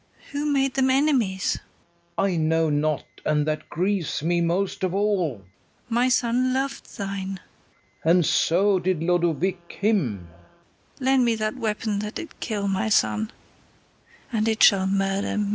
Who made them enemies? FERNEZE. I know not; and that grieves me most of all. KATHARINE. My son lov'd thine. FERNEZE. And so did Lodowick him. KATHARINE. Lend me that weapon that did kill my son, And it shall murder me.